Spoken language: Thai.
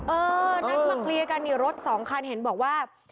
เออนัดมาเคลียร์กันนี่รถสองคันเห็นบอกว่า